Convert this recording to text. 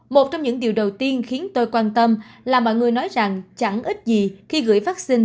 một trong những điều đầu tiên khiến tôi quan tâm là mọi người nói rằng chẳng ít gì khi gửi phát sinh